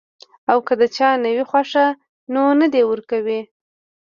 او کۀ د چا نۀ وي خوښه نو نۀ دې ورکوي -